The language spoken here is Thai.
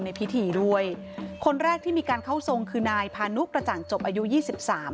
ในพิธีด้วยคนแรกที่มีการเข้าทรงคือนายพานุกระจ่างจบอายุยี่สิบสาม